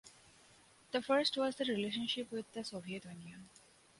The first was the relationship with the Soviet Union.